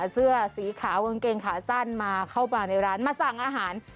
เสื้อสีขาวกางเกงขาสั้นมาเข้ามาในร้านมาสั่งอาหาร